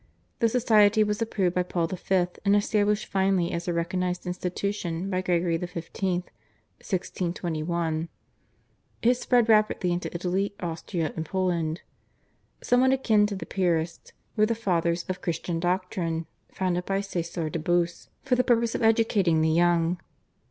The society was approved by Paul V., and established finally as a recognised institution by Gregory XV. (1621). It spread rapidly into Italy, Austria, and Poland. Somewhat akin to the Piarists were the Fathers of Christian Doctrine, founded by Caesar de Bus for the purpose of educating the young.